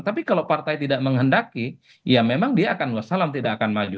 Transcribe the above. tapi kalau partai tidak menghendaki ya memang dia akan wassalam tidak akan maju